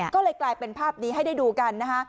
ก็เลยกลายเป็นภาพนี้ให้ได้ดูกันนะคะ